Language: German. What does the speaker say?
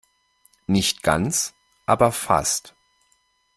Nicht ganz, aber fast.